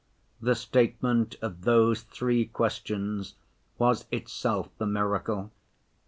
The statement of those three questions was itself the miracle.